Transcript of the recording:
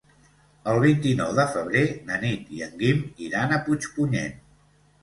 El vint-i-nou de febrer na Nit i en Guim iran a Puigpunyent.